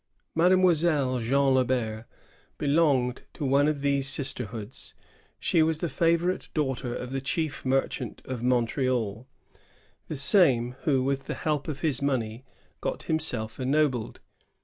Mademoiselle Jeanne Le Ber belonged to none of these sisterhoods. She Was the favorite daughter of the chief merchant of Montreal, — the same who, with the help of his money, got himself ennobled.